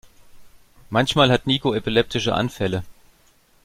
Manchmal hat Niko epileptische Anfälle.